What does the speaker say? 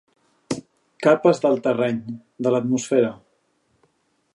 Capes del terreny, de l'atmosfera.